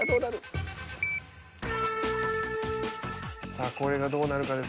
さあこれがどうなるかですね。